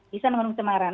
bisa mengandung cemaran